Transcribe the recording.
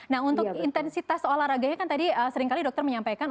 nah untuk intensitas olahraganya kan tadi seringkali dokter menyampaikan